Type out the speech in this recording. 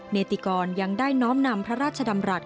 เนติกรยังได้น้อมนำพระราชดำรัฐ